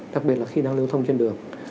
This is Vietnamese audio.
đặc biệt là khi đang lưu thông trên đường